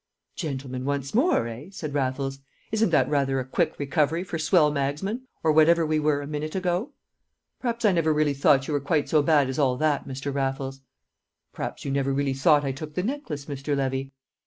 "Gentlemen once more, eh?" said Raffles. "Isn't that rather a quick recovery for swell magsmen, or whatever we were a minute ago?" "P'r'aps I never really thought you quite so bad as all that, Mr. Raffles." "Perhaps you never really thought I took the necklace, Mr. Levy?"